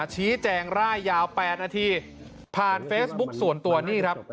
ชี้แจงร่ายยาว๘นาทีผ่านเฟซบุ๊คส่วนตัวนี่ครับ